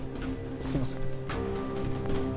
すいません。